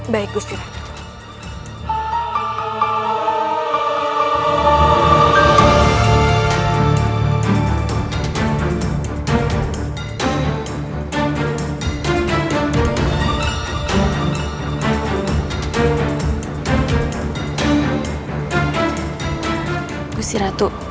baik gusti ratutnya